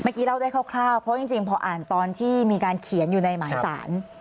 เล่าได้คร่าวเพราะจริงพออ่านตอนที่มีการเขียนอยู่ในหมายสาร